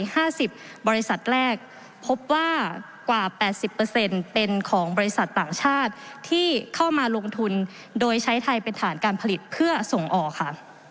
ห้าสิบบริษัทแรกพบว่ากว่าแปดสิบเปอร์เซ็นต์เป็นของบริษัทต่างชาติที่เข้ามาลงทุนโดยใช้ไทยเป็นฐานการผลิตเพื่อส่งออกค่ะ